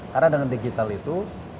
karena dengan digital itu